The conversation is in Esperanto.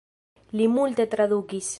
Li multe tradukis.